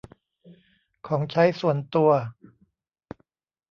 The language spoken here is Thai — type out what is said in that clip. ของใช้ส่วนตัว